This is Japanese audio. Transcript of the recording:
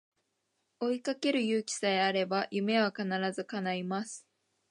追いかける勇気さえあれば夢は必ず叶います